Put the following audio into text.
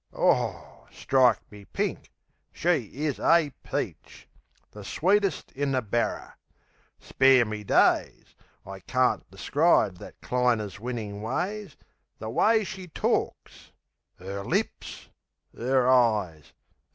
Oh, strike me pink! She is a peach! The sweetest in the barrer! Spare me days, I carn't describe that cliner's winnin' ways. The way she torks! 'Er lips! 'Er eyes!